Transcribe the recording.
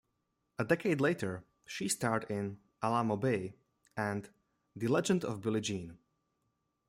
A decade later, she starred in "Alamo Bay" and "The Legend of Billie Jean".